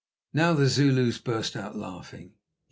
Now the Zulus burst out laughing.